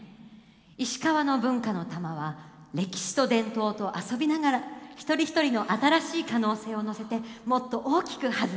石川の文化の玉は歴史と伝統と遊びながら一人一人の新しい可能性をのせてもっと大きく弾んでいく。